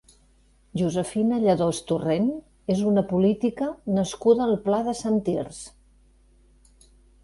Josefina Lladós Torrent és una política nascuda al Pla de Sant Tirs.